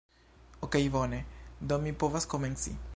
Okej bone, do mi povas komenci